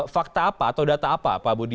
fakta apa atau data apa pak budi